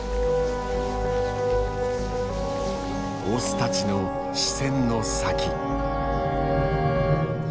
オスたちの視線の先。